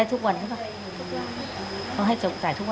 ได้ทุกวันใช่ไหมครับทุกวันค่ะ